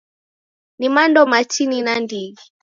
Ni mando matini nandighi.